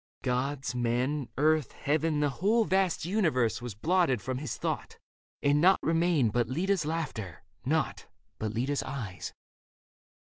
Gods, men, earth, heaven, the whole Vast universe was blotted from his thought And nought remained but Leda's laughter, nought But Leda's eyes.